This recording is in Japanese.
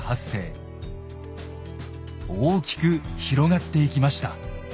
大きく広がっていきました。